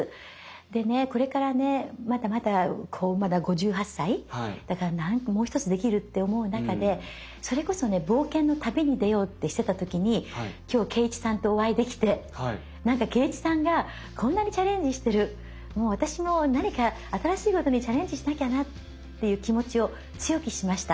でねこれからねまだまだまだ５８歳だからもう一つできるって思う中でそれこそね冒険の旅に出ようってしてた時に今日敬一さんとお会いできて何か敬一さんがこんなにチャレンジしてる私も何か新しいことにチャレンジしなきゃなっていう気持ちを強く意識しました。